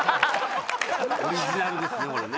オリジナルですね。